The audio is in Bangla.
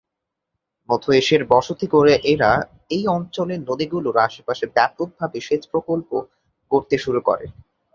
মধ্য এশিয়ায় বসতি গড়ে এরা এই অঞ্চলের নদীগুলোর আশেপাশে ব্যাপকভাবে সেচ প্রকল্প গড়তে শুরু করে।